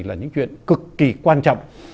là những chuyện cực kỳ quan trọng